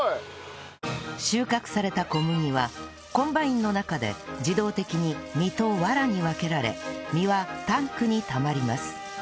収穫された小麦はコンバインの中で自動的に実とわらに分けられ実はタンクにたまります